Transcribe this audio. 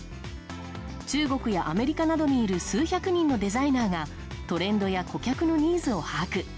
中国やアメリカなどにいる数百人のデザイナーがトレンドや顧客のニーズを把握。